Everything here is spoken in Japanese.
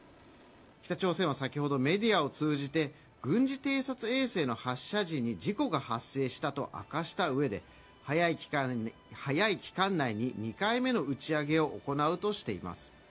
北朝鮮は先ほどメディアを通じて軍事偵察衛星の発射時に事故が発生したと明かしたうえで早い期間内に２回目の打ち上げを行うとしています。